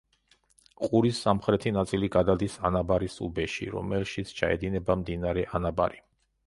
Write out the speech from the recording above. ყურის სამხრეთი ნაწილი გადადის ანაბარის უბეში, რომელშიც ჩაედინება მდინარე ანაბარი.